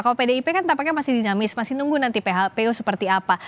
kalau pdip kan tampaknya masih dinamis masih nunggu nanti phpu seperti apa